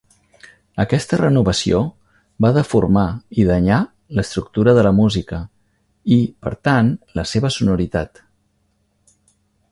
Aquesta renovació va deformar i danyar l'estructura de la música i, per tant, la seva sonoritat.